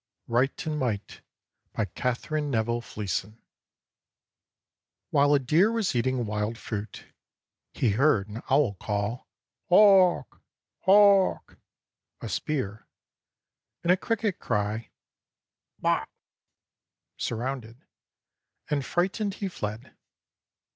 RIGHT AND MIGHT BY KATHERINE NEVILLE FLEESON While a deer was eating wild fruit, he heard an owl call "Haak, haak" (a spear), and a cricket cry, "Wat" (surrounded), and, frightened, he fled.